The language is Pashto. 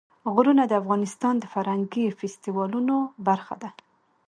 غرونه د افغانستان د فرهنګي فستیوالونو برخه ده.